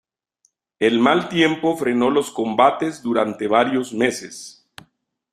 El mal tiempo frenó los combates durante varios meses.